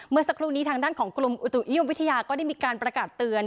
เมื่อสักครู่นี้ทางด้านของกรมอุตุนิยมวิทยาก็ได้มีการประกาศเตือน